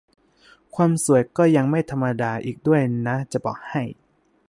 ความสวยก็ยังไม่ธรรมดาอีกด้วยนะจะบอกให้